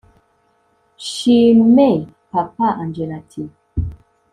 nshime papa angella ati